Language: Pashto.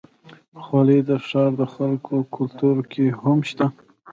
خولۍ د ښاري خلکو کلتور کې هم شته.